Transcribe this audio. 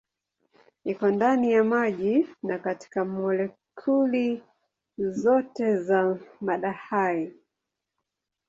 Iko ndani ya maji na katika molekuli zote za mada hai.